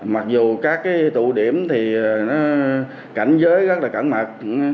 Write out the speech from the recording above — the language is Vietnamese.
mặc dù các tụ điểm thì cảnh giới rất là cẩn mật